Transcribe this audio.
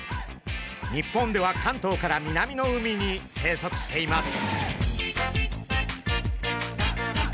日本では関東から南の海に生息しています。